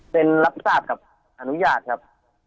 เป็นรับทราบกับอนุญาตครับ